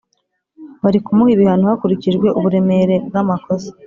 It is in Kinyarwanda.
Barikumuha ibihano hakurikijwe uburemere bwamakosa